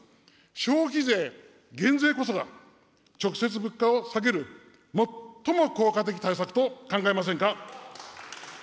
消費税減税こそが、直接物価を下げる最も効果的対策と考えませんか。